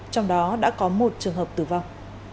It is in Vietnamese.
trong đó đã có một trường hợp tử vong